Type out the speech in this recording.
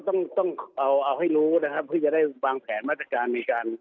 ต้องต้องเอาเอาให้รู้นะครับเพื่อจะได้วางแผนมาตรการในการ